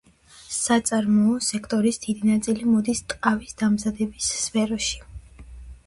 საწარმოო სექტორის დიდი ნაწილი მოდის ტყავის დამზადების სფეროზე.